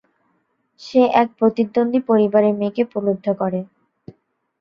সে এক প্রতিদ্বন্দ্বী পরিবারের মেয়েকে প্রলুব্ধ করে।